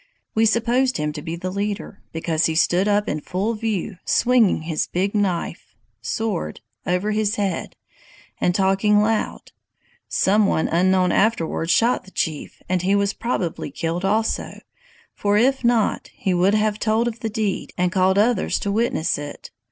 We supposed him to be the leader, because he stood up in full view, swinging his big knife [sword] over his head, and talking loud. Some one unknown afterwards shot the chief, and he was probably killed also; for if not, he would have told of the deed, and called others to witness it.